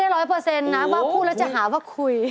ร้อยเปอร์เซ็นต์นะว่าพูดแล้วจะหาว่าคุย